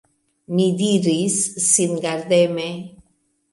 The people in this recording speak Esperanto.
Mi diris, singardeme!